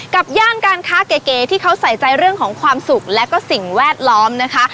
ย่านการค้าเก๋ที่เขาใส่ใจเรื่องของความสุขและก็สิ่งแวดล้อมนะคะ